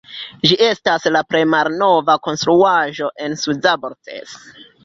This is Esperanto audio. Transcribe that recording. Ĝi estas la plej malnova konstruaĵo en Szabolcs.